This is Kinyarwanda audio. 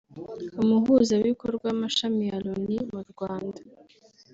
Umuhuzabikorwa w’amashami ya Loni mu Rwanda